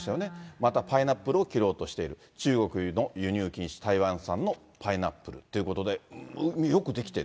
またパイナップルを切ろうとしている、中国の輸入禁止、台湾産のパイナップルということで、よく出来ている。